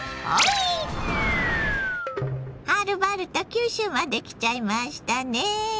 はるばると九州まで来ちゃいましたね。